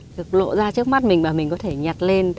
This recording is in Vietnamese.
thực lộ ra trước mắt mình và mình có thể nhặt lên